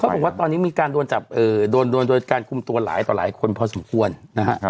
บอกว่าตอนนี้มีการโดนจับโดนโดยการคุมตัวหลายต่อหลายคนพอสมควรนะฮะ